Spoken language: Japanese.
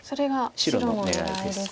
白の狙いです。